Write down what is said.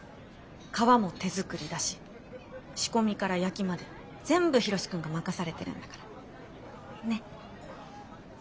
皮も手作りだし仕込みから焼きまで全部ヒロシ君が任されてるんだから。ね？